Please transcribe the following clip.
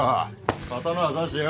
刀ぁ差してよ